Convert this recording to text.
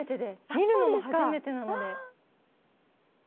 見るのも初めてなので。